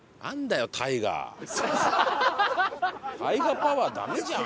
大河パワーダメじゃん。